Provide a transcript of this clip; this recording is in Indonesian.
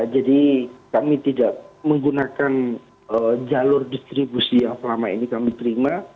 jadi kami tidak menggunakan jalur distribusi yang selama ini kami terima